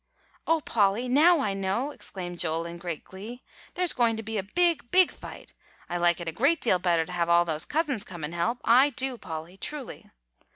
"O Polly! now I know," exclaimed Joel in great glee; "there's going to be a big, big fight. I like it a great deal better to have all those cousins come and help, I do, Polly, truly."